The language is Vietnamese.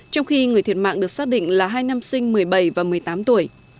trong khi người thiệt mạng được xác định là hai nam sinh một mươi bảy và một mươi tám tuổi